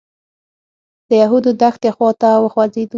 د یهودو دښتې خوا ته وخوځېدو.